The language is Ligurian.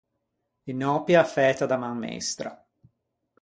Unn’òpia fæta da man meistra.